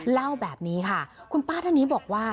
เล่าแบบนี้ค่ะคุณป้าท่านนี้บอกว่า